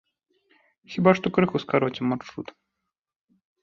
Хіба што крыху скароцім маршрут.